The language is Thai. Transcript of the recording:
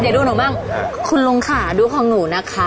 เดี๋ยวดูหนูบ้างคุณลุงค่ะดูของหนูนะคะ